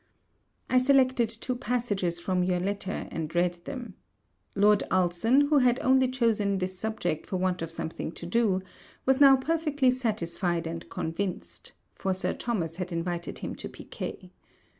I selected two passages from your letter, and read them. Lord Ulson, who had only chosen this subject for want of something to do, was now perfectly satisfied and convinced; for Sir Thomas had invited him to piquet.